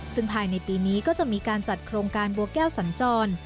ซึ่งภายในปีนี้ก็จะมีการจัดโครงการบัวแก้วสัญจร